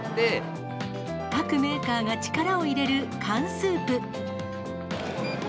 各メーカーが力を入れる缶スープ。